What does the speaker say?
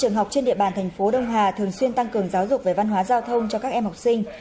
trường học trên địa bàn thành phố đông hà thường xuyên tăng cường giáo dục về văn hóa giao thông cho các em học sinh